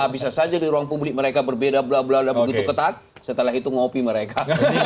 bisa saja di ruang publik mereka berbeda begitu ketat setelah itu ngopi mereka